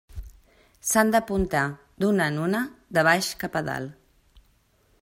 S'han d'apuntar d'una en una de baix cap a dalt.